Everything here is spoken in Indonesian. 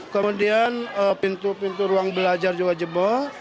kemudian pintu pintu ruang belajar juga jebol